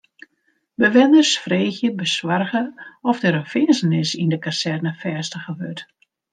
Bewenners freegje besoarge oft der in finzenis yn de kazerne fêstige wurdt.